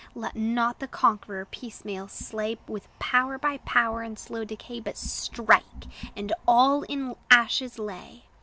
Let not the conqueror piecemeal slay, With power by power in slow decay; But strike, and all in ashes lay!